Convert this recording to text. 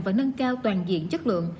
và nâng cao toàn diện chất lượng